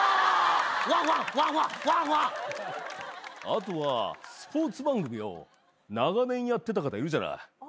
あとはスポーツ番組を長年やってた方いるじゃない。